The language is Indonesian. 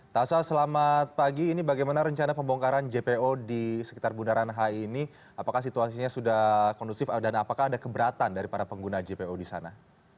taza selamat pagi ini bagaimana rencana pembongkaran jpo di sekitar bundaran hi ini apakah situasinya sudah kondusif dan apakah ada keberatan dari para pengguna jpo di sana